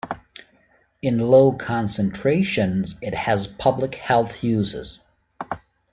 In low concentrations, it has public health uses.